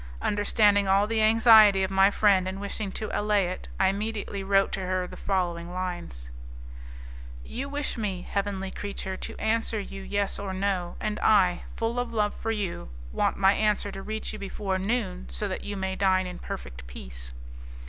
Understanding all the anxiety of my friend, and wishing to allay it, I immediately wrote to her the following lines: "You wish me, heavenly creature, to answer you yes or no, and I, full of love for you, want my answer to reach you before noon, so that you may dine in perfect peace.